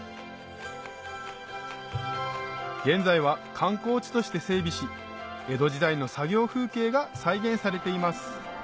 現在は観光地として整備し江戸時代の作業風景が再現されています